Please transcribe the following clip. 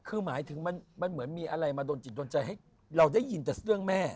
คือหมายถึงมันเหมือนมีอะไรมาโดนจิตโดนใจให้เราได้ยินแต่เรื่องแม่